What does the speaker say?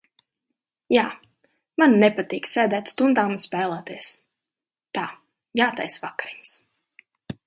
Jā, man nepatīk sēdēt stundām un spēlēties. Tā, jātaisa vakariņas.